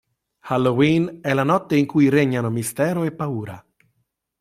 Halloween è la notte in cui regnano mistero e paura.